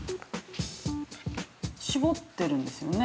◆絞ってるんですよね。